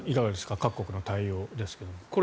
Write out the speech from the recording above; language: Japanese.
各国の対応ですが。